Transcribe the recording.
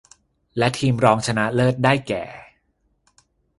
และทีมรองชนะเลิศได้แก่